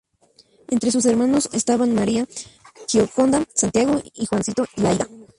Entre sus hermanos estaban María, Gioconda, Santiago y Juancito y Aída.